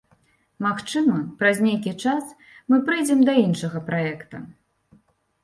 Магчыма, праз нейкі час мы прыйдзем да іншага праекта.